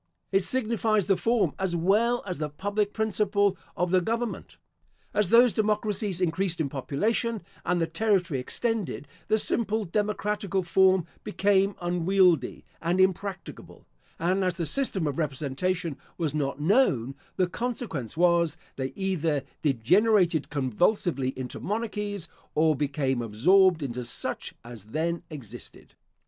It signifies the form, as well as the public principle of the government. As those democracies increased in population, and the territory extended, the simple democratical form became unwieldy and impracticable; and as the system of representation was not known, the consequence was, they either degenerated convulsively into monarchies, or became absorbed into such as then existed.